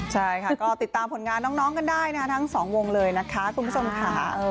ใช่ค่ะก็ติดตามผลงานน้องกันได้นะคะทั้งสองวงเลยนะคะคุณผู้ชมค่ะ